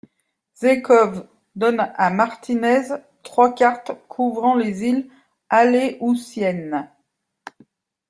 Zaikov donne à Martínez trois cartes couvrant les îles Aléoutiennes.